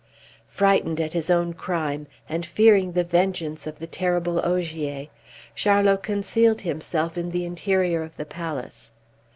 Frightened at his own crime, and fearing the vengeance of the terrible Ogier, Charlot concealed himself in the interior of the palace.